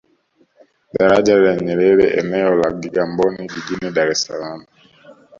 Daraja la Nyerere eneo la Kigamboni jijini Dar es salaam